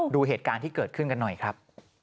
ดูเหตุการณ์ที่เกิดขึ้นกันหน่อยครับ